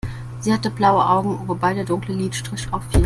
Sie hatte blaue Augen, wobei der dunkle Lidstrich auffiel.